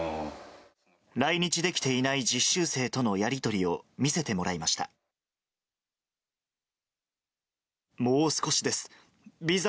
来日できていない実習生とのやり取りを見せてもらいました。